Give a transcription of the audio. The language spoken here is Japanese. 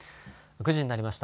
９時になりました。